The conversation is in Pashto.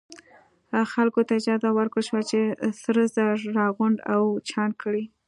خلکو ته اجازه ورکړل شوه چې سره زر راغونډ او چاڼ کړي.